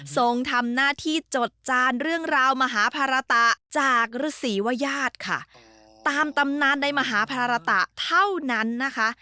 ส่งทำหน้าที่จดจานเรื่องราวมหาภารตะจากฤษีวญาติค่ะตามตำนานในมหาภารตะเท่านั้นนะคะ